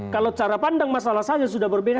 kalau cara pandang masalah saja sudah berbeda